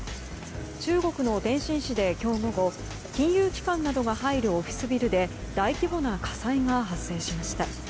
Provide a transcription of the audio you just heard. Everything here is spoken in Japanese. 中国の天津市で今日午後金融機関などが入るオフィスビルで大規模な火災が発生しました。